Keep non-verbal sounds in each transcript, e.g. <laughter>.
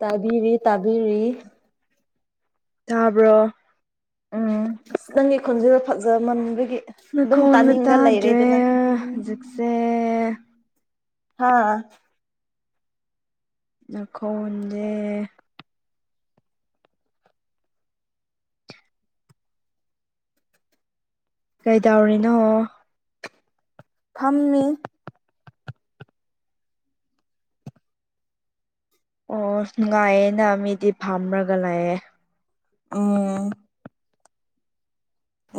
ꯇꯥꯕꯤꯔꯤ ꯇꯥꯕꯤꯔꯤ ꯇꯥꯕ꯭ꯔꯣ ꯎꯝ ꯑꯁ ꯅꯪꯒꯤ ꯈꯨꯟꯁꯤꯗ ꯐꯖ ꯃꯝꯕꯒꯤ ꯑꯗꯨꯝ ꯅꯈꯣꯟꯒ ꯇꯥꯅꯤꯡꯉ ꯂꯩꯔꯦꯗꯅ ꯇꯥꯗ꯭ꯔꯦ ꯍꯧꯖꯤꯛꯁꯦ ꯍꯥꯥ ꯅꯥꯈꯣꯟꯖꯦ ꯀꯩ ꯗꯧꯔꯤꯅꯣ꯫ ꯐꯝꯃꯤ ꯑꯣ ꯅꯨꯡꯉꯥꯏꯌꯦꯅ ꯃꯤꯗꯤ ꯐꯥꯝꯔꯒ ꯂꯩꯌꯦ꯫ ꯎꯝ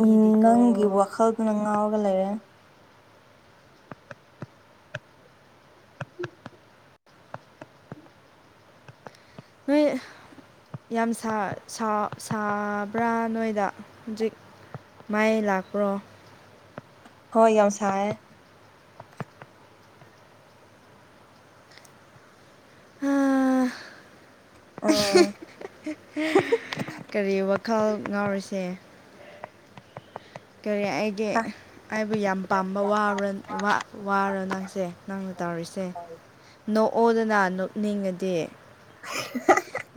ꯎꯝ ꯅꯪꯒꯤ ꯋꯥꯈꯜꯗꯨꯅ ꯉꯥꯎꯔꯒ ꯂꯩꯔꯦ꯫ <inaudible> ꯍꯣꯢ ꯌꯥꯝ ꯁꯥ ꯁꯥ ꯁꯥꯕ꯭ꯔꯥ ꯅꯣꯏꯗ ꯍꯧꯖꯤꯛ꯫ ꯃꯩ ꯂꯥꯛꯄ꯭ꯔꯣ꯫ ꯍꯣꯏ ꯌꯥꯝ ꯁꯥꯏꯌꯦ ꯍꯥ ꯑꯣ ꯀꯔꯤ ꯋꯥꯈꯜ ꯉꯥꯎꯔꯤꯁꯦ ꯀꯔꯤ ꯑꯩꯒꯤ ꯑꯩꯕꯨ ꯌꯥꯝ ꯄꯥꯝꯕ ꯋꯥꯔꯟ ꯋꯥ ꯋꯥꯔꯣ ꯅꯪꯁꯦ ꯅꯪꯅ ꯇꯧꯔꯤꯁꯦ꯫ ꯅꯣꯛꯑꯣꯗꯅ ꯅꯣꯛꯅꯤꯡꯉꯗꯤ꯫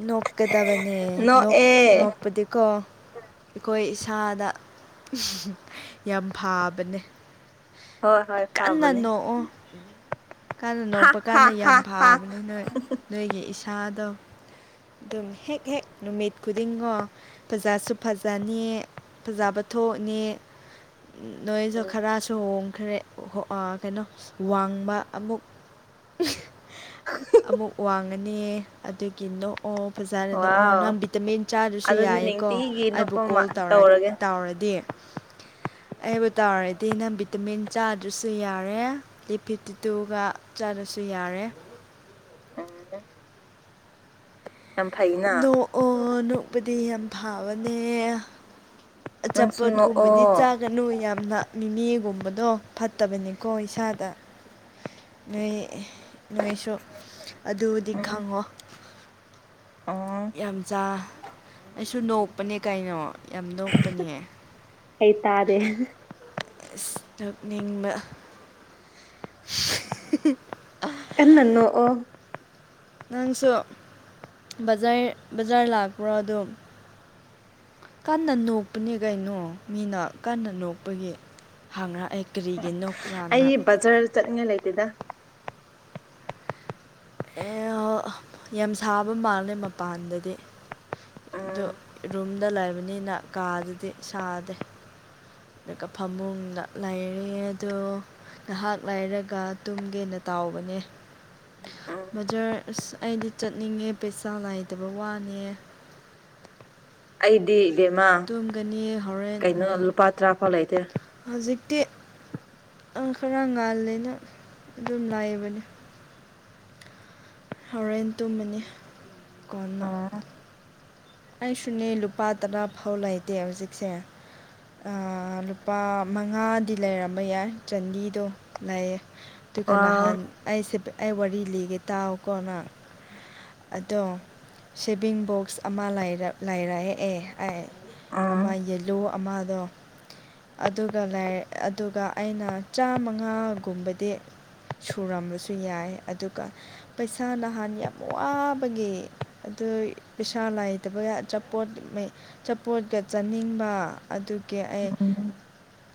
ꯅꯣꯛꯀꯗꯕꯅꯦ ꯅꯣꯛ ꯅꯣꯛꯑꯦ ꯅꯣꯛꯄꯗꯤꯀꯣ ꯑꯩꯈꯣꯏ ꯏꯁꯥꯗ ꯌꯥꯝ ꯐꯥꯕꯅꯦ꯫ ꯍꯣꯏ ꯍꯣꯏ ꯐꯕꯅꯤ꯫ ꯀꯟꯅ ꯅꯣꯛꯄ ꯀꯥꯟꯗ ꯌꯥꯝ ꯐꯕꯅꯦ ꯅꯣꯏ ꯅꯣꯏꯒꯤ ꯏꯁꯥꯗꯣ꯫ ꯑꯗꯨꯝ ꯍꯦꯛ ꯍꯦꯛ ꯅꯨꯃꯤꯠ ꯈꯨꯗꯤꯡꯉꯣ ꯐꯖꯥꯁꯨ ꯐꯖꯅꯤ ꯐꯖꯕ ꯊꯣꯛꯅꯤ꯫ ꯅꯣꯏꯁꯨ ꯎꯝ ꯈꯔꯁꯨ ꯍꯣꯡꯈ꯭ꯔꯦ꯫ ꯑ ꯀꯩꯅꯣ ꯋꯥꯡꯕ ꯑꯃꯨꯛ ꯑꯃꯨꯛ ꯋꯥꯡꯉꯅꯤ ꯑꯗꯨꯒꯤ ꯅꯣꯛ ꯑꯣ ꯐꯖꯅ ꯅꯣꯛꯑꯣ ꯋꯥꯎ ꯅꯪ ꯚꯤꯇꯥꯃꯤꯟ ꯆꯥꯗꯔꯁꯨ ꯑꯗꯨꯗꯤ ꯌꯥꯏꯌꯦꯀꯣ ꯅꯤꯡꯇꯤꯒꯤ ꯑꯩꯕꯨ ꯅꯣꯛꯄ ꯃꯥ ꯀꯣꯜ ꯇꯧꯔ ꯇꯧꯔꯒꯦ ꯇꯧꯔꯗꯤ ꯑꯩꯕꯨ ꯇꯧꯔꯗꯤ ꯅꯪ ꯚꯤꯇꯥꯃꯤꯟ ꯆꯥꯗ꯭ꯔꯁꯨ ꯌꯥꯔꯦ꯫ ꯂꯤꯞ ꯐꯤꯞꯇꯤꯇꯨꯒ ꯆꯥꯗ꯭ꯔꯁꯨ ꯌꯥꯔꯦ꯫ <unintelligible> ꯌꯥꯝ ꯐꯩꯅ ꯅꯣꯛꯑꯣ ꯅꯣꯛꯄꯗꯤ ꯌꯥꯝ ꯐꯥꯕꯅꯦ꯫ ꯅꯪꯁꯨ ꯑꯆꯥꯄꯣꯠ ꯀꯨꯝꯕꯗꯤ ꯅꯣꯛꯑꯣ ꯆꯥꯛ ꯒꯅꯨ ꯌꯥꯝꯅ ꯃꯤꯃꯤꯒꯨꯝꯕꯗꯣ ꯐꯠꯇꯕꯅꯤꯀꯣ ꯏꯁꯥꯗ꯫ ꯅꯣꯏ ꯅꯣꯏꯁꯨ ꯑꯗꯨꯗꯤ ꯎꯝ ꯈꯪꯉꯣ꯫ ꯑꯣ ꯌꯥꯝꯖꯥ ꯑꯩꯁꯨ ꯅꯣꯛꯄꯅꯦ ꯀꯩꯅꯣ ꯌꯥꯝ ꯅꯣꯛꯄꯅꯦ꯫ ꯑꯩꯩ ꯇꯥꯗꯦ ꯑꯁ ꯅꯣꯛꯅꯤꯡꯕ꯫ <unintelligible> ꯀꯟꯅ ꯅꯣꯛꯑꯣ ꯅꯪꯁꯨ ꯕꯖꯥꯔ ꯕꯖꯥꯔ ꯂꯥꯛꯄ꯭ꯔꯣ ꯑꯗꯨꯝ꯫ ꯀꯟꯅ ꯅꯣꯛꯄꯅꯦ ꯀꯩꯅꯣ ꯃꯤꯅ ꯀꯟꯅ ꯅꯣꯛꯄꯒꯤ꯫ ꯍꯪꯂꯛꯑꯦ ꯀꯔꯤꯒꯤ ꯅꯣꯛꯄ꯭ꯔꯥꯅ꯫ ꯑꯩ ꯕꯖꯥꯔ ꯆꯠꯅꯤꯉꯥꯏ ꯂꯩꯇꯦꯗ꯫ ꯌꯥꯝ ꯁꯥꯕ ꯃꯥꯜꯂꯦ ꯃꯄꯥꯟꯗꯗꯤ꯫ ꯑꯗꯨ ꯎꯝ ꯔꯨꯝꯗ ꯂꯩꯕꯅꯤꯅ ꯀꯗꯨꯗꯤ ꯁꯥꯗꯦ꯫ ꯑꯗꯨꯒ ꯐꯃꯨꯡꯗ ꯂꯩꯔꯦ ꯑꯗꯨ ꯉꯍꯥꯛ ꯂꯩꯔꯒ ꯇꯨꯝꯒꯦꯅ ꯇꯧꯕꯅꯦ꯫ ꯕꯖꯥꯔ ꯑꯁ ꯑꯩꯗꯤ ꯆꯠꯅꯤꯡꯉꯦ ꯄꯩꯁꯥ ꯂꯩꯇꯕ ꯋꯥꯅꯦ꯫ ꯑꯩꯗꯤ ꯏꯕꯦꯝꯃ ꯇꯨꯝꯒꯅꯤ ꯍꯣꯔꯦꯟ ꯀꯩꯅꯣ ꯂꯨꯄꯥ ꯇꯔꯥꯐꯥꯎ ꯂꯩꯇꯦ ꯍꯧꯖꯤꯛꯇꯤ ꯑꯪ ꯈꯔ ꯉꯥꯜꯂꯦꯅ ꯑꯗꯨꯝ ꯂꯩꯕꯅꯤ ꯍꯣꯔꯦꯟ ꯇꯨꯝꯃꯅꯤ ꯀꯣꯟꯅ ꯎꯝ ꯑꯩꯁꯨꯅꯦ ꯂꯨꯄꯥ ꯇꯔꯥꯐꯥꯎ ꯂꯩꯇꯦ ꯍꯧꯖꯤꯛꯁꯦ ꯑ ꯂꯨꯄꯥ ꯃꯉꯥꯗꯤ ꯂꯩꯔꯝꯕ ꯌꯥꯏ ꯆꯟꯗꯤꯗꯣ ꯂꯩꯌꯦ ꯑꯗꯨꯒ ꯋꯥ ꯅꯍꯥꯟ ꯑꯩꯁꯦ ꯑꯩ ꯋꯥꯔꯤ ꯂꯤꯒꯦ ꯇꯥꯎꯀꯣꯅꯣ ꯅꯪ ꯑꯗꯣ ꯁꯦꯚꯤꯡ ꯕꯣꯛꯁ ꯑꯃ ꯂꯩꯔꯛ ꯂꯩꯔꯛꯑꯦ ꯑꯦ ꯑꯩ ꯎꯝ ꯑꯃ ꯌꯦꯜꯂꯨ ꯑꯃꯗꯣ ꯑꯗꯨꯒ ꯂꯩꯔꯦ ꯑꯗꯨꯒ ꯑꯩꯅ ꯆꯥꯝꯃꯉꯥꯒꯨꯝꯕꯗꯤ ꯁꯨꯔꯝꯕꯁꯨ ꯌꯥꯏ ꯑꯗꯨꯒ ꯄꯩꯁꯥ ꯅꯍꯥꯟ ꯌꯥꯝ ꯋꯥꯕꯒꯤ ꯑꯗꯨ ꯄꯩꯁꯥ ꯂꯩꯇꯕꯒꯤ ꯑꯆꯥꯄꯣꯠ ꯃꯩ ꯑꯆꯄꯣꯠꯀ ꯆꯥꯅꯤꯡꯕ ꯑꯗꯨꯒꯤ ꯑꯩ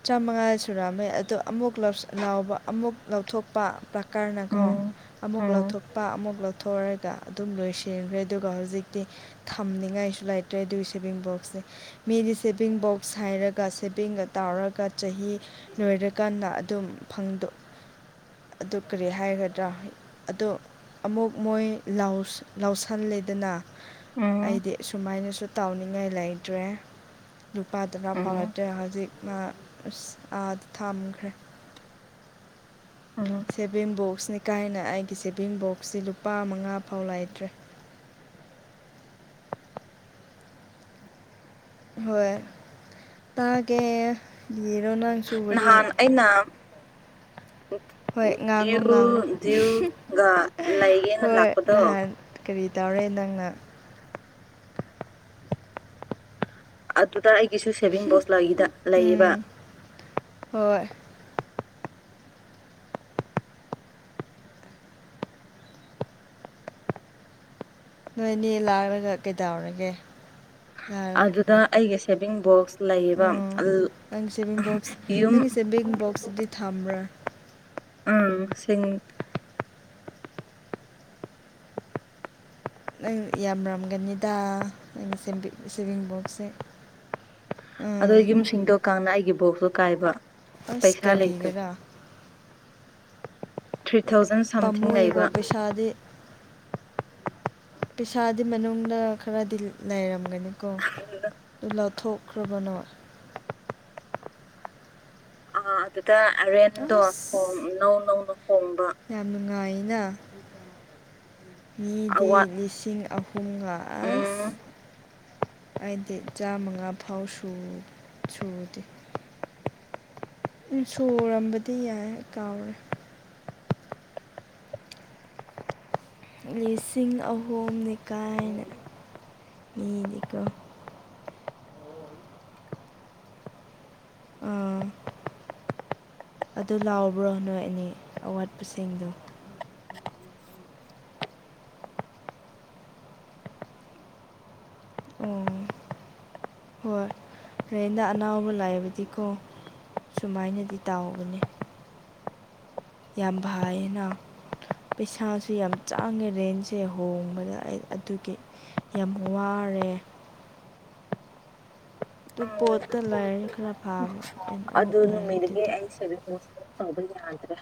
ꯆꯥꯝꯃꯉꯥ ꯁꯨꯔꯝꯃꯦ ꯑꯗꯣ ꯑꯃꯨꯛ ꯂꯧꯁꯟ ꯂꯥꯎꯕ ꯑꯃꯨꯛ ꯂꯧꯊꯣꯛꯄ ꯀ꯭ꯔꯅꯀꯣ ꯎꯝ ꯑꯃꯨꯛ ꯎꯝ ꯂꯧꯊꯣꯛꯄ ꯑꯃꯨꯛ ꯂꯧꯊꯣꯛꯑꯔꯒ ꯑꯗꯨꯝ ꯂꯣꯏꯁꯤꯟꯒ꯭ꯔꯦ ꯑꯗꯨꯒ ꯍꯧꯖꯤꯛꯇꯤ ꯊꯝꯅꯤꯡꯉꯥꯏꯁꯨ ꯂꯩꯇ꯭ꯔꯦ ꯑꯗꯨꯒꯤ ꯁꯦꯚꯤꯡ ꯕꯣꯛꯁꯁꯦ ꯃꯤꯗꯤ ꯁꯦꯚꯤꯡ ꯕꯣꯛꯁ ꯍꯥꯏꯔꯒ ꯁꯦꯚꯤꯡꯒ ꯇꯧꯔꯒ ꯆꯍꯤ ꯂꯣꯏꯔꯀꯥꯟꯗ ꯑꯗꯨꯝ ꯐꯪꯗꯣꯛ ꯑꯗꯨ ꯀꯔꯤ ꯍꯥꯏꯒꯗ꯭ꯔꯥ ꯑꯗꯣ ꯑꯃꯨꯛ ꯃꯣꯏ ꯂꯥꯎꯁ ꯂꯧꯁꯜꯂꯦꯗꯅ ꯎꯝ ꯑꯩꯗꯤ ꯁꯨꯃꯥꯏꯅꯁꯨ ꯇꯥꯎꯅꯤꯡꯉꯥꯏ ꯂꯩꯇ꯭ꯔꯦ ꯂꯨꯄꯥ ꯇꯔꯥꯐꯥꯎ ꯎꯝ ꯂꯩꯇ꯭ꯔꯦ ꯍꯧꯖꯤꯛ ꯑ ꯑꯁ ꯑꯥꯗ ꯊꯝꯈ꯭ꯔꯦ ꯑꯥꯂꯣ ꯁꯦꯚꯤꯡ ꯕꯣꯛꯁꯅꯤ ꯀꯥꯏꯅ ꯑꯩꯒꯤ ꯁꯦꯚꯤꯡ ꯕꯣꯛꯁꯁꯤ ꯂꯨꯄꯥ ꯃꯉꯥ ꯐꯥꯎ ꯂꯩꯇ꯭ꯔꯦ ꯍꯣꯏ ꯇꯥꯒꯦ ꯂꯤꯔꯣ ꯅꯪ ꯅꯍꯥꯟ ꯑꯩꯅ ꯍꯣꯏ ꯉꯥꯡꯉꯣ ꯭ꯗ꯭ꯌꯨ ꯉꯥꯡꯉꯣ ꯗ꯭ꯌꯨꯒ ꯂꯩꯒꯦꯅ ꯍꯣꯏ ꯂꯥꯛꯄꯗꯣ ꯅꯍꯥꯟ ꯀꯔꯤ ꯇꯧꯔꯦ ꯅꯪꯅ ꯑꯗꯨꯗ ꯑꯩꯒꯤꯁꯨ ꯁꯦꯚꯤꯡ ꯕꯣꯛꯁ ꯂꯩꯒꯤꯗ ꯂꯩꯌꯦꯕ ꯎꯝ ꯍꯣꯏ ꯅꯣꯏꯅꯤ ꯂꯥꯛꯔꯒ ꯀꯩꯗꯧꯔꯒꯦ ꯌꯥꯔꯦ ꯑꯗꯨꯗ ꯑꯩꯒꯤ ꯁꯦꯚꯤꯡ ꯕꯣꯛꯁ ꯂꯩꯌꯦꯕ ꯎꯝ ꯅꯪ ꯁꯦꯚꯤꯡ ꯕꯣꯛꯁ ꯌꯨꯝ ꯅꯪꯒꯤ ꯁꯦꯚꯤꯡ ꯕꯣꯛꯁꯇꯗꯤ ꯊꯝꯕ꯭ꯔꯥ ꯎꯝ ꯁꯤꯡ ꯅꯪ ꯌꯥꯝꯔꯝꯒꯅꯤꯗꯥ ꯅꯪꯩꯒꯤ ꯁꯦꯚꯤꯡ ꯁꯦꯚꯤꯡ ꯕꯣꯛꯁꯁꯦ ꯑꯗꯣ ꯎꯝ ꯌꯨꯝꯁꯤꯡꯗꯣ ꯀꯥꯡꯅ ꯑꯩꯒꯤ ꯕꯣꯛꯁꯇꯣ ꯀꯥꯏꯕ ꯑꯁ ꯄꯩꯁꯥ ꯂꯩꯇꯕ ꯀꯔꯤꯒꯤꯔꯥ ꯊ꯭ꯔꯤ ꯊꯥꯎꯖꯟ ꯁꯝꯊꯤꯡ ꯄꯃꯨꯏꯌꯦꯀꯣ ꯂꯩꯕ ꯄꯩꯁꯥꯗꯤ ꯄꯤꯁꯥꯗꯤ ꯃꯅꯨꯡꯗ ꯈꯔꯗꯤ ꯂꯩꯔꯝꯒꯅꯤꯀꯣ ꯑꯗꯨꯒ ꯑꯗꯨ ꯂꯧꯊꯣꯛꯈ꯭ꯔꯕꯅꯣ ꯑꯥ ꯑꯗꯨꯗ ꯑꯔꯦꯟꯗꯣ ꯑꯁ ꯅꯧ ꯅꯧꯅ ꯍꯣꯡꯕ ꯌꯥꯝ ꯅꯨꯡꯉꯥꯏꯌꯦꯅ ꯃꯤꯗꯤ ꯑꯋꯥꯠ ꯂꯤꯁꯤꯡ ꯑꯍꯨꯝ ꯄꯨꯡꯒ ꯑꯁ ꯎꯝ ꯑꯩꯗꯤ ꯆꯥꯝꯃꯉꯥꯐꯥꯎ ꯁꯨ ꯁꯨꯗꯦ ꯎꯝ ꯁꯨꯔꯝꯕꯗꯤ ꯌꯥꯏ ꯀꯥꯎꯔꯦ ꯂꯤꯁꯤꯡ ꯑꯍꯨꯝꯅꯤ ꯀꯥꯏꯅ ꯃꯤꯗꯤꯀꯣ ꯑꯥ ꯑꯗꯨ ꯂꯥꯎꯕ꯭ꯔꯣ ꯅꯣꯏ ꯑꯅꯤ ꯑꯋꯥꯠꯄꯁꯤꯡꯗꯣ ꯑꯣ ꯍꯣꯏ ꯔꯦꯟꯗ ꯑꯅꯧꯕ ꯂꯩꯕꯗꯤꯀꯣ ꯁꯨꯃꯥꯏꯅꯗꯤ ꯇꯥꯎꯕꯅꯦ ꯌꯥꯝ ꯥꯏꯅ ꯄꯩꯁꯥꯁꯨ ꯌꯥꯝ ꯆꯥꯡꯉꯦ ꯔꯦꯟꯁꯦ ꯍꯣꯡꯕꯗ ꯑꯩ ꯑꯗꯨꯒꯤ ꯌꯥꯝ ꯋꯥꯔꯦ ꯑꯗꯨ ꯎꯝ ꯄꯣꯠꯇ ꯂꯩꯔꯗꯤ ꯈꯔ ꯐꯕ ꯔꯦꯟ ꯑꯃꯨꯛ ꯑꯗꯨ ꯂꯩꯕꯗꯨꯗꯤ ꯅꯃꯤꯗꯒꯤꯁ ꯐꯪꯕ ꯌꯥꯗ꯭ꯔꯦ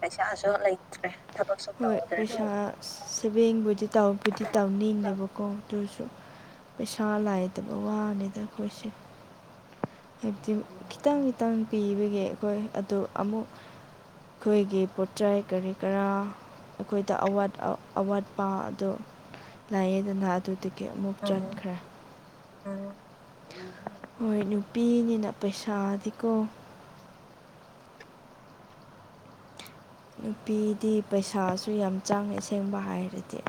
ꯄꯩꯁꯥꯁꯨ ꯂꯩꯇ꯭ꯔꯦ ꯊꯕꯛꯁꯨ ꯍꯣꯏ ꯇꯧꯗ꯭ꯔꯦ ꯄꯩꯁꯥ ꯁꯦꯚꯤꯡꯕꯨꯗꯤ ꯇꯕꯨꯗꯤ ꯇꯧꯅꯤꯡꯉꯦꯕ ꯀꯣꯛꯇꯁꯨ ꯄꯩꯁꯥ ꯂꯥꯏꯗꯕ ꯋꯥꯅꯤꯗ ꯑꯩꯈꯣꯏꯁꯦ ꯍꯥꯏꯕꯗꯤ ꯈꯤꯇꯪ ꯈꯤꯇꯪ ꯄꯤꯕꯒꯦ ꯑꯩꯈꯣꯏ ꯑꯗꯨ ꯑꯃꯨꯛ ꯑꯩꯈꯣꯏꯒꯤ ꯄꯣꯠꯆꯥꯏ ꯀꯔꯤ ꯀꯔꯥ ꯑꯩꯈꯣꯏꯗ ꯑꯋꯥꯠꯄ ꯑꯗꯨ ꯂꯥꯏꯌꯦꯗꯅ ꯑꯗꯨꯗꯒꯤ ꯑꯃꯨꯛ ꯆꯠꯈ꯭ꯔꯦ ꯑ ꯍꯣꯏ ꯅꯨꯄꯤꯅꯤꯅ ꯄꯩꯁꯥꯗꯤꯀꯣ ꯅꯨꯄꯤꯗꯤ ꯄꯩꯁꯥꯁꯨ ꯌꯥꯝ ꯆꯥꯡꯉꯦ ꯑꯁꯦꯡꯕ ꯍꯥꯏꯔꯗꯤ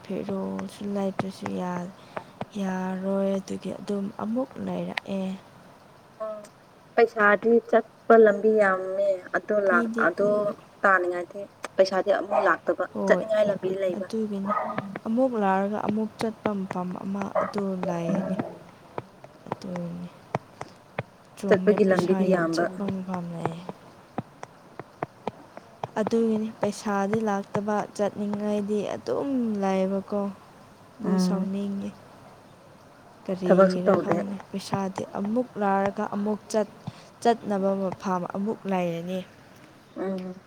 ꯐꯔ ꯑꯣ ꯁꯤꯂꯥꯏ <inaudible> ꯑꯗꯨꯁꯨ ꯌꯥꯔꯣꯏ ꯑꯗꯨꯒꯤ ꯑꯗꯨꯝ ꯑꯃꯨꯛ ꯂꯩꯔꯛꯑꯦ ꯑꯣ ꯄꯩꯁꯥꯗꯤ ꯆꯠꯄ ꯂꯝꯕꯤ ꯌꯥꯝꯃꯦ ꯑꯗꯣ ꯂꯥꯛ ꯃꯤꯗꯤ ꯑꯗꯣ ꯇꯥꯅꯤꯡꯉꯥꯏꯗꯤ ꯄꯩꯁꯥꯗꯤ ꯑꯃꯨꯐꯥꯎ ꯂꯥꯛꯇꯕ ꯍꯣꯏ ꯆꯠꯅꯤꯡꯉꯥꯏ ꯂꯝꯕꯤ ꯂꯩꯕ ꯑꯗꯨꯒꯤꯅꯤ ꯑꯃꯨꯛ ꯂꯥꯛꯔꯒ ꯑꯃꯨꯛ ꯆꯠꯄ ꯃꯐꯝ ꯑꯃ ꯑꯗꯨ ꯂꯩꯥꯏꯅꯤ ꯎꯝ ꯑꯗꯨꯅꯤ ꯆꯨꯝꯃꯦ ꯆꯠꯄꯒꯤ ꯄꯩꯁꯥ ꯂꯝꯕꯤꯗꯤ ꯌꯥꯝ ꯌꯥꯝꯕ ꯆꯠꯄ ꯃꯐꯝ ꯂꯩꯌꯦ ꯑꯗꯨꯒꯤꯅꯤ ꯄꯩꯁꯥꯗꯤ ꯂꯥꯛꯇꯕ ꯆꯠꯅꯤꯡꯉꯥꯏꯗꯤ ꯑꯗꯨꯝ ꯂꯩꯑꯕꯀꯣ ꯑꯗꯨ ꯎꯝ ꯁꯥꯎꯅꯤꯡꯉꯦ ꯊꯕꯛꯁꯨ ꯀꯔꯤꯔ ꯇꯧꯗꯦ ꯈꯪꯅꯦ ꯄꯩꯁꯥꯗꯤ ꯑꯃꯨꯛ ꯂꯥꯏꯔꯒ ꯑꯃꯨꯛ ꯆꯠꯅꯕ ꯃ ꯐꯥꯝ ꯑꯃꯨꯛ ꯂꯩꯔꯅꯤ ꯎꯝ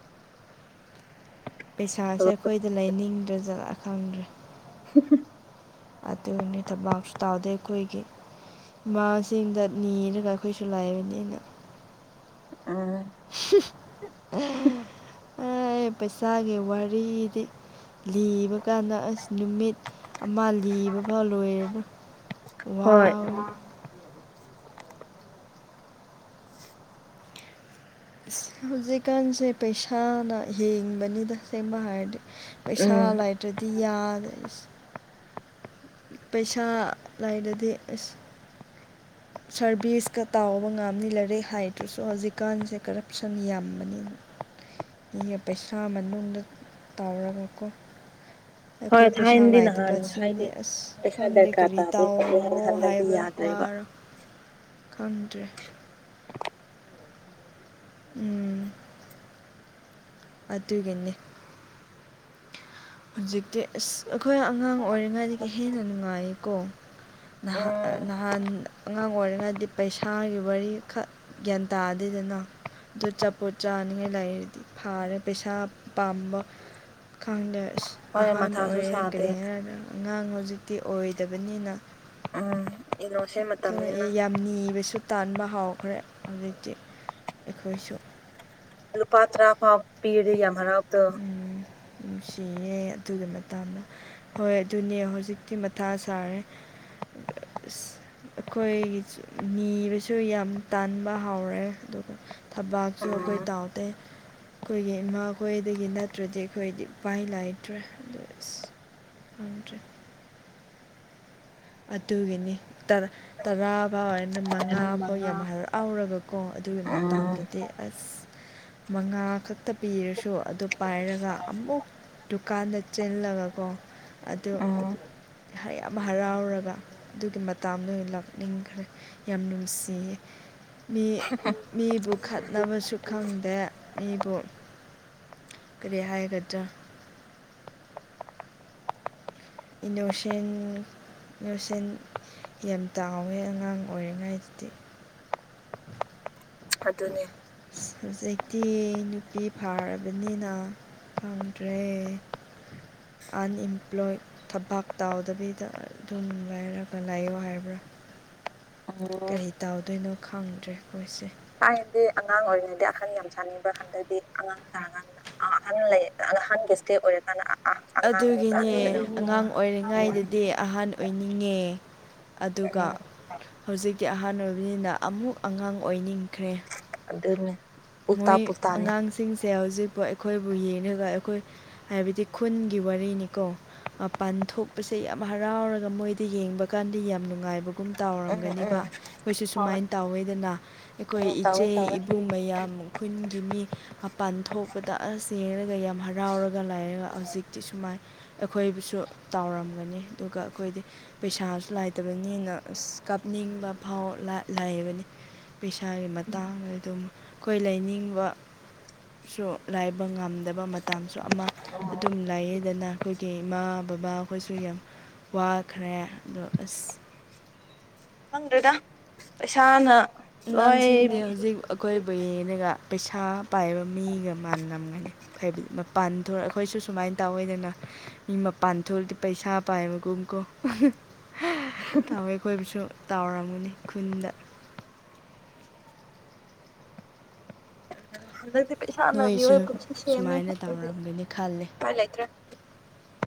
ꯄꯩꯁꯥꯁꯦ ꯊꯕꯛ ꯑꯩꯈꯣꯏꯗ ꯂꯩꯅꯤꯡꯗ꯭ꯔ ꯖꯠꯂꯥ ꯈꯪꯗ꯭ꯔꯦ <inaudible> <unintelligible> ꯑꯗꯨꯅꯤ ꯊꯕꯛꯁꯨ ꯇꯥꯎꯗꯦ ꯑꯩꯈꯣꯏꯒꯤ ꯏꯃꯁꯤꯡꯗ ꯅꯤꯔꯒ ꯑꯩꯈꯣꯏꯁꯨ ꯂꯥꯏꯕꯅꯤꯅ ꯎꯝ <unintelligible> ꯑꯩ ꯄꯩꯁꯥꯒꯤ ꯋꯥꯔꯤꯗꯤ ꯂꯤꯕ ꯀꯥꯟꯗ ꯑꯁ ꯅꯨꯃꯤꯠ ꯑꯃ ꯂꯤꯕ ꯐꯥꯎ ꯂꯣꯏꯔꯦ ꯋꯥ ꯍꯣꯏ ꯍꯧꯖꯤꯛꯀꯥꯟꯁꯦ ꯄꯩꯁꯥꯅ ꯍꯤꯡꯕꯅꯤꯗ ꯑꯁꯦꯡꯕ ꯍꯥꯏꯔꯗꯤ ꯄꯩꯁꯥ ꯎꯝ ꯂꯥꯏꯇ꯭ꯔꯗꯤ ꯌꯥꯗ꯭ꯔꯦ ꯄꯩꯁꯥ ꯂꯥꯏꯗꯗꯤ ꯑꯁ ꯁꯔꯚꯤꯁꯀ ꯇꯥꯎꯕ ꯉꯝꯅꯤ ꯂꯥꯏꯔꯤꯛ ꯍꯥꯏꯗ꯭ꯔꯁꯨ ꯍꯧꯖꯤꯛꯀꯥꯟꯁꯦ ꯀꯔꯞꯁꯟ ꯌꯥꯝꯕꯅꯤꯅ ꯃꯤꯒ ꯄꯩꯁꯥ ꯃꯅꯨꯡꯗ ꯇꯥꯎꯔꯒꯀꯣ ꯍꯣꯏ ꯑꯩꯈꯣꯏ ꯄꯩꯁꯥ ꯊꯥꯏꯅꯗꯤ ꯅꯍꯥꯟ ꯂꯥꯏꯇꯕꯁꯤꯡꯗꯤ ꯍꯥꯏꯗꯤ ꯑꯁ ꯄꯩꯁꯥ ꯈꯪꯗꯦ ꯗꯔꯀꯥꯔ ꯀꯔꯤ ꯇꯥꯗꯦ ꯈꯣꯠꯂꯦ ꯍꯥꯏꯅ ꯇꯥꯎꯋꯣ ꯍꯟꯗꯛꯇꯤ ꯍꯥꯏꯕ ꯌꯥꯗ꯭ꯔꯦꯕ ꯋꯥꯔ ꯈꯪꯗꯔꯦ <inaudible> ꯎꯝ ꯑꯗꯨꯒꯤꯅꯤ ꯍꯧꯖꯤꯛꯇꯤ ꯑꯁ ꯑꯩꯈꯣꯏ ꯑꯉꯥꯡ ꯑꯣꯏꯔꯤꯉꯩꯗꯒꯤ ꯍꯦꯟꯅ ꯅꯨꯡꯉꯥꯏꯀꯣ ꯎꯝ ꯅꯍꯥꯟ ꯑꯉꯥꯡ ꯑꯣꯏꯔꯤꯉꯩꯗꯤ ꯄꯩꯁꯥ ꯊꯥꯒꯤ ꯋꯥꯔꯤꯈꯛ ꯒ꯭ꯌꯥꯟ ꯇꯥꯗꯦꯗꯅ ꯑꯗꯨ ꯆꯄꯣꯠ ꯆꯥꯅꯤꯡꯉꯥꯏ ꯂꯩꯔꯗꯤ ꯐꯥꯔꯦ ꯄꯩꯁꯥ ꯄꯥꯝꯕ ꯈꯪꯗꯦ ꯑꯁ ꯍꯣꯏ ꯑꯍꯥꯟꯕ ꯃꯊꯥꯁꯨ ꯑꯣꯏꯔꯦ ꯀꯔꯤ ꯁꯥꯗꯦ ꯑꯉꯥꯡ ꯍꯧꯖꯤꯛꯇꯤ ꯑꯣꯏꯗꯕꯅꯤꯅ ꯎꯝ ꯏꯂꯣꯁꯤꯝ <inaudible> ꯀꯩꯅꯣ ꯑꯦ ꯌꯥꯝ ꯅꯤꯕꯁꯨ ꯇꯥꯟꯕ ꯍꯥꯎꯈ꯭ꯔꯦ ꯍꯧꯖꯤꯛꯇꯤ ꯑꯩꯈꯣꯏꯁꯨ ꯂꯨꯄꯥ ꯇꯔꯥ ꯐꯥꯎ ꯄꯤꯕꯗꯨ ꯌꯥꯝ ꯍꯔꯥꯎꯕꯗꯣ ꯅꯨꯡꯁꯤꯌꯦ ꯑꯗꯨꯒꯤ ꯃꯇꯝ ꯍꯣꯏ ꯑꯗꯨꯅꯦ ꯍꯧꯖꯤꯛꯇꯤ ꯃꯊꯥ ꯁꯥꯔꯦ ꯑꯁ ꯑꯩꯈꯣꯏꯒꯤꯁꯨ ꯅꯤꯕꯁꯨ ꯌꯥꯝ ꯇꯥꯟꯕ ꯍꯥꯎꯔꯦ ꯑꯗꯨ <unintelligible> ꯊꯕꯥꯛꯁꯨ ꯑꯩꯈꯣꯏ ꯎꯝ ꯇꯥꯎꯗꯦ ꯑꯩꯈꯣꯏꯒꯤ ꯏꯃꯥꯈꯣꯏ ꯗꯒꯤ ꯅꯠꯇ꯭ꯔꯗꯤ ꯑꯩꯈꯣꯏꯗꯤ ꯎꯄꯥꯏ ꯂꯩꯇ꯭ꯔꯦ ꯑꯗꯨ ꯑꯁ ꯈꯪꯗ꯭ꯔꯦ ꯑꯗꯨꯒꯤꯅꯤ ꯇꯔꯥ ꯇꯔꯥꯐꯥꯎ ꯍꯥꯏꯅ ꯃꯉꯥꯐꯥꯎ ꯌꯥꯝ ꯍꯔꯥꯎ ꯑꯥꯎꯔꯒꯀꯣ ꯑꯗꯨꯒꯤ ꯎꯝ ꯃꯇꯝꯗꯨꯗꯤ ꯑꯁ ꯃꯉꯥꯈꯛ ꯇ ꯄꯤꯔꯁꯨ ꯑꯗꯨ ꯄꯥꯏꯔꯒ ꯑꯃꯨꯛ ꯗꯨꯀꯥꯟꯗ ꯆꯤꯜꯂꯒꯀꯣ ꯑꯗꯨ ꯎꯝ ꯍꯌꯥꯝ ꯍꯔꯥꯎꯔꯒ ꯕ ꯑꯗꯨꯒꯤ ꯃꯇꯥꯝꯗꯣ ꯑꯣꯏꯅ ꯂꯥꯛꯅꯤꯡꯈ꯭ꯔꯦ ꯌꯥꯝ ꯅꯨꯡꯁꯤꯌꯦ ꯃꯤ ꯃꯤꯕꯨ ꯈꯠꯅꯕꯁꯨ ꯈꯪꯗꯦ ꯏꯕꯨ ꯀꯔꯤ ꯍꯥꯏꯒꯗ꯭ꯔꯥ ꯏꯅꯣꯁꯦꯟ ꯏꯅꯣꯁꯦꯟ ꯌꯥꯝ ꯇꯥꯎꯋꯦ ꯑꯉꯥꯡ ꯑꯣꯏꯔꯤꯉꯩꯗꯗꯤ ꯑꯗꯨꯅꯦ ꯍꯧꯖꯤꯛꯇꯤ ꯅꯨꯄꯤ ꯐꯥꯔꯕꯅꯤꯅ ꯐꯪꯗ꯭ꯔꯦ ꯑꯟ ꯏꯝꯄ꯭ꯂꯣꯏ ꯊꯕꯥꯛ ꯇꯥꯎꯗꯕꯤꯗ ꯑꯗꯨꯝ ꯂꯩꯔꯒ ꯂꯥꯏꯌꯣ ꯍꯥꯏꯕ꯭ꯔꯥ ꯎꯝ ꯀꯔꯤ ꯇꯧꯗꯣꯏꯅꯣ ꯈꯪꯗ꯭ꯔꯦ ꯑꯩꯈꯣꯏꯁꯦ ꯊꯥꯏꯅꯗꯤ ꯑꯉꯥꯡ ꯑꯣꯏꯔꯤꯉꯩꯗꯤ ꯑꯈꯟ ꯌꯥꯝ ꯁꯥꯥꯅꯤꯡꯕ꯭ꯔꯥ ꯍꯟꯗꯗꯤ ꯑꯉꯥꯡ ꯁꯥꯔꯀꯥꯟꯗ ꯑꯍꯟ ꯂꯩ ꯑ ꯑꯍꯟꯒꯤ ꯏꯁꯇꯦ ꯑꯣꯏꯔꯀꯥꯟꯅ ꯑꯥ ꯑꯗꯨꯒꯤꯅꯦ ꯑꯉꯥꯡ ꯎꯝ ꯑꯣꯏꯔꯤꯉꯩꯗꯗꯤ ꯑꯍꯥꯟ ꯑꯣꯏꯅꯤꯡꯉꯦ ꯑꯗꯨꯒ ꯎꯝ ꯍꯧꯖꯤꯛꯇꯤ ꯑꯍꯥꯟ ꯑꯣꯏꯕꯅꯤꯅ ꯑꯃꯨꯛ ꯑꯉꯥꯡ ꯑꯣꯏꯅꯤꯡꯈ꯭ꯔꯦ ꯑꯗꯨꯅꯦ ꯎꯜꯇꯥ ꯃꯣꯏ ꯄꯨꯜꯇꯥꯅꯤ ꯑꯉꯥꯡꯁꯤꯡꯁꯦ ꯍꯧꯖꯤꯛꯄꯨ ꯑꯩꯈꯣꯏꯕꯨ ꯌꯦꯡꯉꯒ ꯑꯩꯈꯣꯏ ꯍꯥꯏꯕꯗꯤ ꯈꯨꯟꯒꯤ ꯋꯥꯔꯤꯅꯤꯀꯣ ꯃꯄꯥꯟ ꯊꯣꯛꯄꯁꯦ ꯌꯥꯝ ꯍꯔꯥꯎꯔꯒ ꯃꯣꯏꯗ ꯌꯦꯡꯕ ꯀꯥꯟꯗ ꯌꯥꯝ ꯅꯨꯡꯉꯥꯏꯕ ꯀꯨꯝ ꯎꯝ ꯇꯥꯎꯔꯝꯒꯅꯤꯕ ꯎꯝ ꯑꯩꯈꯣꯏꯁꯨ ꯁꯨꯃꯥꯏꯅ ꯇꯧꯋꯦꯗꯅ ꯑꯩꯈꯣꯏ ꯎꯝ ꯇꯧꯋꯦ ꯏꯆꯦ ꯇꯧꯋꯦ ꯏꯕꯨꯡ ꯃꯌꯥꯝ ꯈꯨꯟꯒꯤ ꯃꯤ ꯃꯄꯥꯟ ꯊꯣꯛꯄꯗ ꯑꯁ ꯌꯦꯡꯔꯒ ꯌꯥꯝ ꯍꯔꯥꯎꯔꯒ ꯂꯩꯔꯒ ꯍꯧꯖꯤꯛꯇꯤ ꯁꯨꯃꯥꯏ ꯑꯩꯈꯣꯏꯕꯨꯁꯨ ꯇꯥꯎꯔꯝꯒꯅꯤ ꯑꯗꯨꯒ ꯑꯩꯈꯣꯏꯗꯤ ꯄꯩꯁꯥꯁꯨ ꯂꯥꯏꯇꯕꯅꯤꯅ ꯑꯁ ꯀꯥꯞꯅꯤꯡꯕ ꯐꯥꯎ ꯂꯥ ꯂꯥꯏꯕꯅꯤ ꯄꯩꯁꯥꯒꯤ ꯃꯇꯥꯡꯗ ꯑꯗꯨꯝ ꯑꯩꯈꯣꯏ ꯂꯩꯅꯤꯡꯕꯁꯨ ꯂꯥꯏꯕ ꯉꯝ ꯗꯕ ꯃꯇꯝꯁꯨ ꯑꯃ ꯑꯗꯨꯝ ꯂꯩꯌꯦ ꯗꯨꯅ ꯑꯩꯈꯣꯏꯒꯤ ꯏꯃꯥ ꯕꯕꯥꯈꯣꯏꯁꯨ ꯌꯥꯝ ꯋꯥꯈ꯭ꯔꯦ ꯑꯗꯣ ꯑꯁ ꯐꯪꯗ꯭ꯔꯦꯗ ꯄꯩꯁꯥꯅ ꯅꯡ ꯂꯣꯏ ꯁꯤꯡꯗꯦ ꯍꯧꯖꯤꯛ ꯑꯩꯈꯣꯏꯕꯨ ꯌꯦꯅꯒ ꯄꯩꯁꯥ ꯄꯥꯏꯕ ꯃꯤꯒ ꯃꯥꯟꯅꯝꯒꯅꯤ ꯍꯥꯏꯕꯗꯤ ꯃꯄꯥꯟ <unintelligible> ꯑꯩꯈꯣꯏꯁꯨ ꯁꯨꯃꯥꯏꯅ ꯇꯧꯋꯦꯗꯅ ꯃꯤ ꯃꯄꯥꯟ ꯊꯣꯛ <unintelligible> ꯄꯩꯁꯥ ꯄꯥꯏꯕꯒꯨꯝ ꯀꯣ ꯇꯥꯎꯋꯦ ꯑꯩꯈꯣꯏꯕꯨꯁꯨ ꯇꯥꯎꯔꯝꯒꯅꯤ ꯈꯨꯟꯗ <unintelligible> ꯍꯟꯗꯛꯇꯤ ꯄꯩꯁꯥꯅ ꯅꯣꯏꯁꯨ ꯃꯤꯑꯣꯏ ꯄꯨꯟꯁꯤ ꯁꯦꯝꯃꯦ ꯁꯨꯃꯥꯏꯅ <unintelligible> ꯇꯧꯔꯝꯒꯅꯤ ꯈꯜꯂꯦ ꯎꯄꯥꯏ ꯂꯩꯇ꯭ꯔꯦ